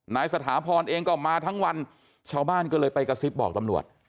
สถาพรเองก็มาทั้งวันชาวบ้านก็เลยไปกระซิบบอกตำรวจ